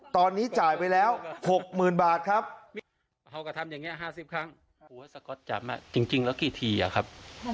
ตอนนี้จ่ายไปแล้ว๖๐๐๐๐บาทครับ